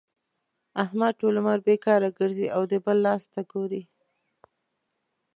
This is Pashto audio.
احمد ټول عمر بېکاره ګرځي او د بل لاس ته ګوري.